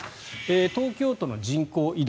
東京都の人口移動